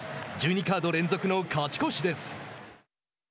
カード連続の勝ち越しです。